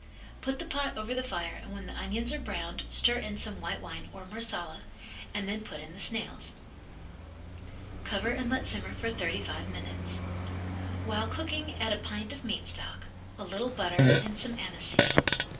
Put the pot over the fire and when the onions are browned stir in some white wine or Marsala and then put in the snails. Cover and let simmer for thirty five minutes. While cooking add a pint of meat stock, a little butter and some anise seed.